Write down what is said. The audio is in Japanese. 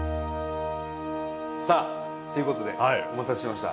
さあということでお待たせしました。